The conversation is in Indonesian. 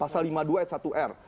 pasal lima puluh dua s satu r